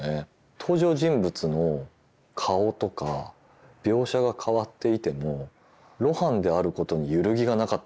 登場人物の顔とか描写が変わっていても「露伴」であることに揺るぎがなかったりするんですよ。